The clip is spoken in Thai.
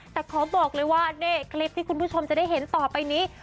แต่ขอบอกเลยว่านี่คลิปที่คุณผู้ชมจะได้เห็นต่อไปนี้